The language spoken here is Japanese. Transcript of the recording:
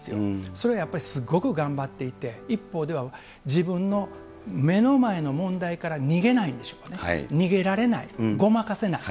それはやっぱりすごく頑張っていて、一方では、自分の目の前の問題から逃げないんですよね、逃げられない、ごまかせない。